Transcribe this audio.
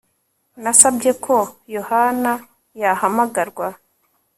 Nasabye ko Yohana yahamagarwa